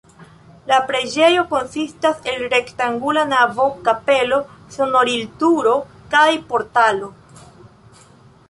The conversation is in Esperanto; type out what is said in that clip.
La preĝejo konsistas el rektangula navo, kapelo, sonorilturo kaj portalo.